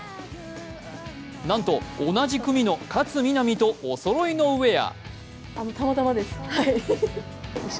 なんと同じ組の勝みなみとおそろいのウエア。